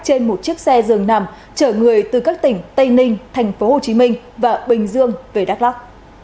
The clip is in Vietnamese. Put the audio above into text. trên một chiếc xe dường nằm chở người từ các tỉnh tây ninh tp hcm và bình dương về đắk lắc